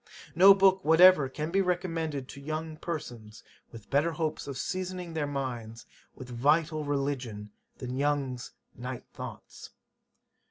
No book whatever can be recommended to young persons, with better hopes of seasoning their minds with vital religion, than YOUNG'S Night Thoughts.